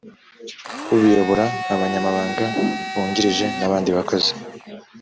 ubiyobora abanyamabanga bungirije n abandi bakozi